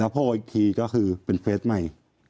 โพลอีกทีก็คือเป็นเฟสใหม่